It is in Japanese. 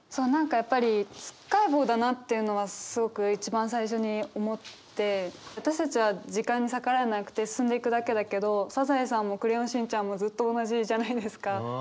何かやっぱりつっかえ棒だなっていうのはすごく一番最初に思って私たちは時間に逆らえなくて進んでいくだけだけど「サザエさん」も「クレヨンしんちゃん」もずっと同じじゃないですか。